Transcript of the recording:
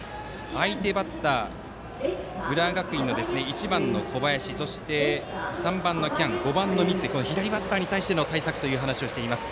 相手バッター浦和学院の１番、小林そして３番の喜屋武５番の三井と左バッターに対しての対策という話をしています。